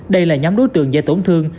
đây là nhóm đối tượng dễ tổn thương